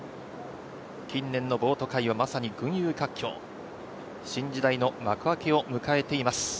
近年のボート界はまさに群雄割拠新時代の幕開けを迎えています。